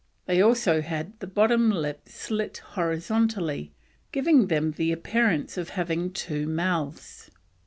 They all had the bottom lip slit horizontally, giving them the appearance of having two mouths.